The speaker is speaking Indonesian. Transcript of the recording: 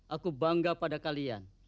aku bangga pada kalian